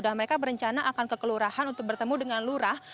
dan mereka berencana akan ke kelurahan untuk bertemu dengan lurah